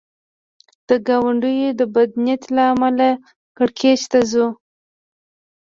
د ګاونډیو د بد نیت له امله کړکېچ ته ځو.